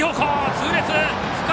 痛烈！